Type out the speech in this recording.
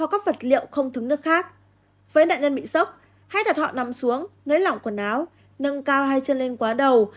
lấy lỏng quần áo nâng cao hai chân lên quá đầu